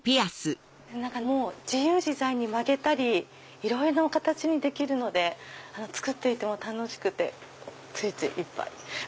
自由自在に曲げたりいろいろな形にできるので作っていても楽しくてついついいっぱい。